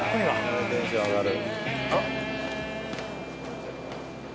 これはテンション上がる。